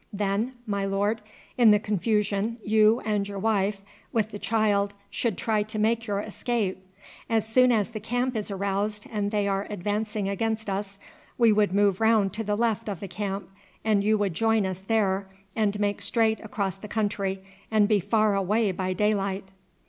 Then, my lord, in the confusion you and your wife with the child should try to make your escape. As soon as the camp is aroused and they are advancing against us we would move round to the left of the camp, and you would join us there and make straight across the country and be far away by daylight."